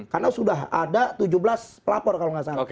karena sudah ada tujuh belas pelapor kalau nggak salah